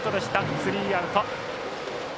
スリーアウト。